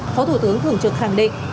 phó thủ tướng thường trực khẳng định